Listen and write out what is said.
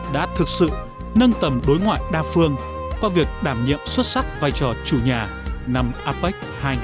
đã thực sự nâng tầm đối ngoại đa phương qua việc đảm nhiệm xuất sắc vai trò chủ nhà năm apec hai nghìn hai mươi